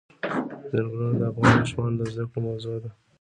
ځنګلونه د افغان ماشومانو د زده کړې موضوع ده.